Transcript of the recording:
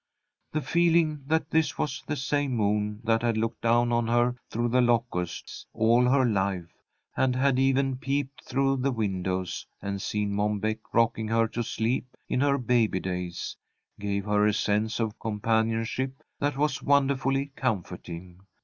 The feeling that this was the same moon that had looked down on her through the locusts, all her life, and had even peeped through the windows and seen Mom Beck rocking her to sleep in her baby days, gave her a sense of companionship that was wonderfully comforting.